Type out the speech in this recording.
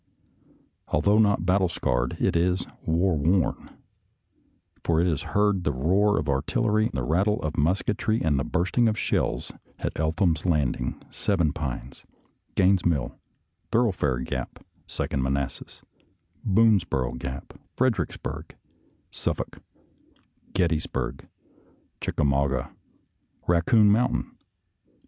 Although not battle scarred, it is war worn, for it has heard the roar of artillery, the rattle of musketry, and the bursting of shells at Eltham's Landing, Seven Pines, Gaines' Mill, Thorough fare Gap, Second Manassas, Boonesboro Gap, Fredericksburg, Suffolk, Gettysburg, Chicka mauga. Raccoon Mountain